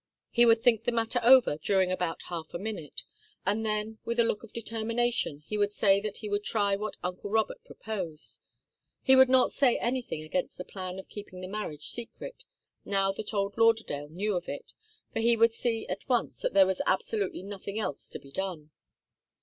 He would think the matter over during about half a minute, and then, with a look of determination, he would say that he would try what uncle Robert proposed. He would not say anything against the plan of keeping the marriage a secret, now that old Lauderdale knew of it, for he would see at once that there was absolutely nothing else to be done.